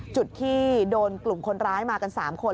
จุดที่โดนกลุ่มคนร้ายมากัน๓คน